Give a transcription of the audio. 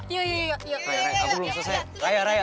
abah belum selesai rayah rayah